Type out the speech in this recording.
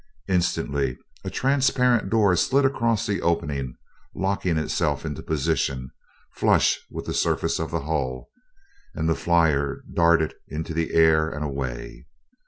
Instantly a transparent door slid across the opening, locking itself into position flush with the surface of the hull, and the flier darted into the air and away.